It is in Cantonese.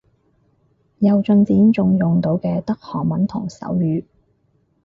有進展仲用到嘅得韓文同手語